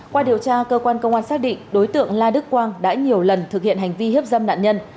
xác định đối tượng la đức quang đã nhiều lần thực hiện hành vi hiếp dâm nạn nhân